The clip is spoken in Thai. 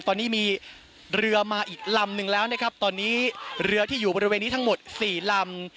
ตอนนี้มีเรือมาอีกลำนึงแล้วนะครับตอนนี้เรือที่อยู่บริเวณนี้ทั้งหมดสี่ลำ